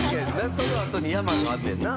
そのあとに山があんねんな。